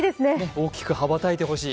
大きく羽ばたいてほしい。